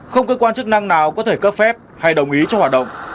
không cơ quan chức năng nào có thể cấp phép hay đồng ý cho hoạt động